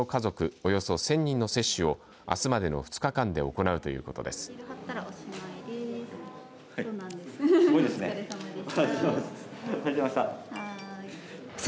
およそ１０００人の接種をあすまでの２日間で行うということです。